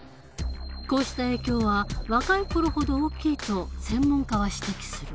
こうした影響は若い頃ほど大きいと専門家は指摘する。